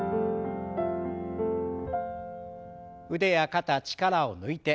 腕や肩力を抜いて。